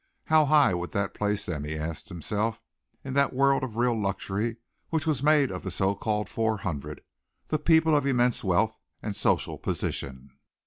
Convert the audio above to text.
How high would that place them, he asked himself, in that world of real luxury which was made up of the so called four hundred the people of immense wealth and social position.